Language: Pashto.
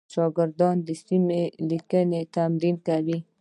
شاګردانو د سمې لیکنې تمرین کاوه.